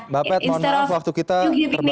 mbak pet mohon maaf waktu kita terbatas